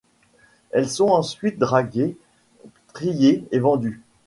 Elles sont ensuite draguées, triées et vendues.